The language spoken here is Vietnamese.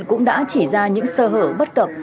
cũng đã chỉ ra những sơ hở bất cập